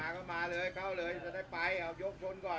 ขึ้นอยู่กับความเชื่อนะฮะสุดท้ายเนี่ยทางครอบครัวก็เชื่อว่าป้าแดงก็ไปที่วัดแล้ว